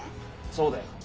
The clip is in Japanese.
そうだよ。